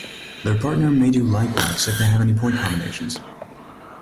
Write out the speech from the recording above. Their partner may do likewise if they have any point combinations.